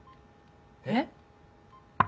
えっ？